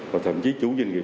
và thậm chí chú doanh nghiệp